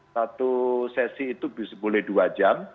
satu sesi itu boleh dua jam